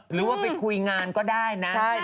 หรือว่าไปคุยงานก็ได้นะ